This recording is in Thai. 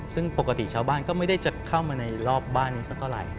ซึ่งปกติชาวบ้านก็ไม่ได้จะเข้ามาในรอบบ้านนี้สักเท่าไหร่